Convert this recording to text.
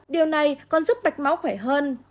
điều này còn giúp bạch máu khỏe hơn